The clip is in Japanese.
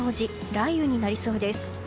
雷雨になりそうです。